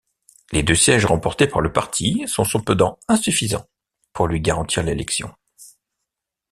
Les deux sièges remportés par le parti sont cependant insuffisants pour lui garantir l'élection.